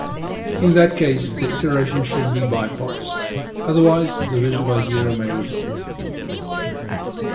In that case the iteration should be bypassed; otherwise, division by zero may result.